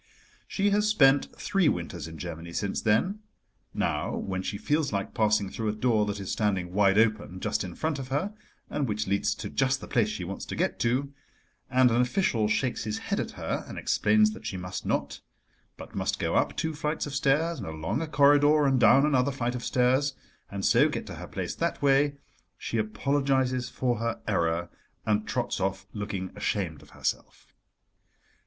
She has spent three winters in Germany since then. Now when she feels like passing through a door that is standing wide open just in front of her, and which leads to just the place she wants to get to, and an official shakes his head at her, and explains that she must not, but must go up two flights of stairs and along a corridor and down another flight of stairs, and so get to her place that way, she apologises for her error and trots off looking ashamed of herself.